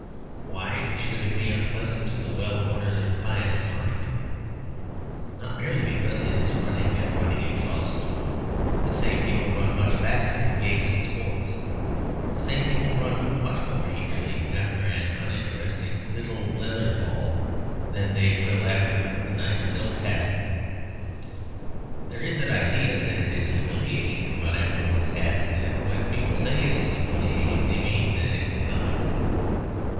Why should it be unpleasant to the well ordered and pious mind? Not merely because it is running, and running exhausts one. The same people run much faster in games and sports. The same people run much more eagerly after an uninteresting; little leather ball than they will after a nice silk hat. There is an idea that it is humiliating to run after one's hat; and when people say it is humiliating they mean that it is comic.